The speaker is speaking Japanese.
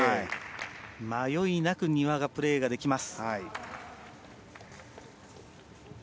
迷いなく丹羽がプレーできます。